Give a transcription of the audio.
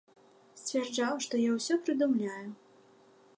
Сцвярджаў, што я ўсё прыдумляю.